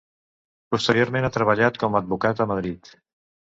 Posteriorment ha treballat com a advocada a Madrid.